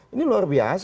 ini luar biasa